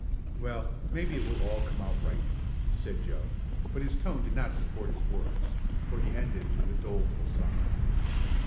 "Well, maybe it will all come out right," said Joe, but his tone did not support his words, for he ended with a doleful sigh.